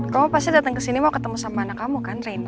kamu pasti datang ke sini mau ketemu sama anak kamu kan rein